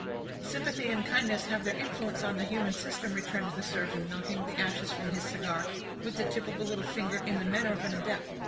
"Sympathy and kindness have their influence on the human system," returned the surgeon, knocking the ashes from his cigar, with the tip of a little finger, in the manner of an adept.